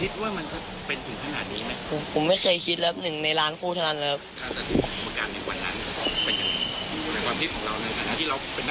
ปลูกสาธารณมคั้นนี้